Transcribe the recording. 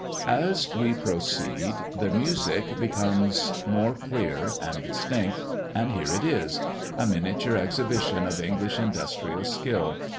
As we proceed, the music becomes more clear and distinct, and here it is: a miniature exhibition of English industrial skill.